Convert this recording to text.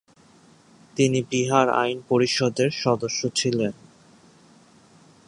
তিনি বিহার আইন পরিষদের সদস্য ছিলেন।